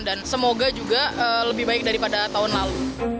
dan semoga juga lebih baik daripada tahun lalu